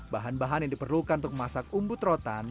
bahan bahan yang diperlukan untuk memasak umbut rotan